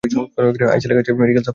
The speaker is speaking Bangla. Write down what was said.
আইসেলের কাছে মেডিক্যাল সাপ্লাই আছে!